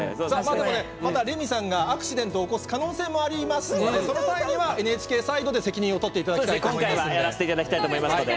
レミさんがアクシデントを可能性もありますがその際にはＮＨＫサイドで責任を取っていただきたいと思います。